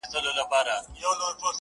كه لاسونه مي پرې كېږي سترگي نه وي!!